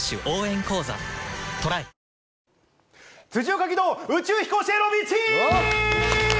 辻岡義堂、宇宙飛行士への道！